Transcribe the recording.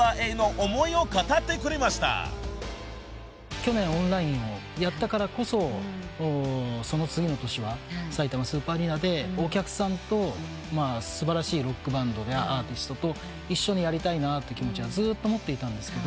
去年オンラインをやったからこそその次の年はさいたまスーパーアリーナでお客さんと素晴らしいロックバンドやアーティストと一緒にやりたいなって気持ちはずっと持っていたんですけど。